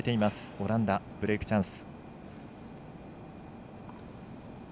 オランダ、ブレークチャンス。